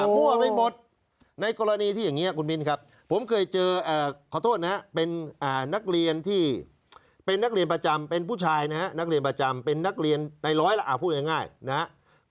ผู้ชายนะฮะนักเรียนประจำเป็นนักเรียนในร้อยละอ่าพูดง่ายง่ายนะฮะ